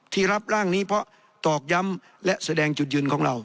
ที่รับร่างนี้เพราะตอกย้ำและแสดงจุดยืนของเรา